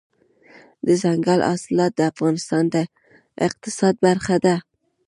دځنګل حاصلات د افغانستان د اقتصاد برخه ده.